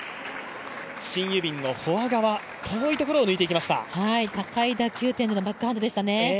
シン・ユビンのフォア側遠いところを抜いていきました高い打球点でのバックハンドでしたね。